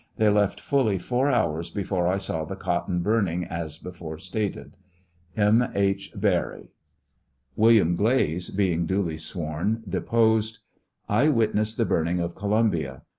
They left fuUv four hours before I saw the cotton burning as before stated. M. H. BERRY. 8 William Glaze., being duly sworn, deposed: I witnessed the burning of Columbia.